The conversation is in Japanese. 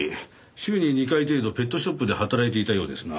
週に２回程度ペットショップで働いていたようですな。